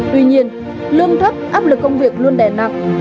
tuy nhiên lương thấp áp lực công việc luôn đè nặng